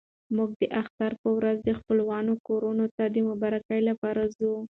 موږ د اختر په ورځ د خپلوانو کورونو ته د مبارکۍ لپاره ځو.